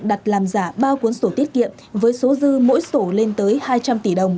đặt làm giả ba cuốn sổ tiết kiệm với số dư mỗi sổ lên tới hai trăm linh tỷ đồng